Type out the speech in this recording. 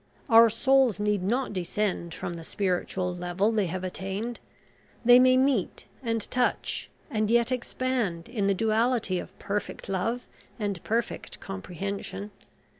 Our souls need not descend from the spiritual level they have attained they may meet and touch, and yet expand in the duality of perfect love and perfect comprehension.